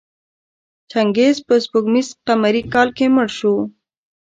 چنګیز په سپوږمیز قمري کال کې مړ شو.